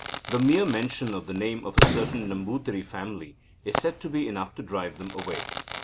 The mere mention of the name of a certain Nambutiri family is said to be enough to drive them away.